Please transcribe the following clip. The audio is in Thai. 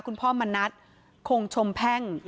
คุณพ่อมณัฐคงชมแพ่ง